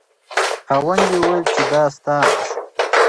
خاوند یې وویل چې دا ستا شو.